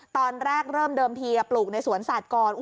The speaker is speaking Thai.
ตอนแรกเริ่มเดิมทีปลูกในสวนสัตว์ก่อน